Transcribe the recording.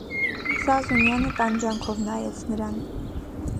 Զազունյանը տանջանքով նայեց նրան: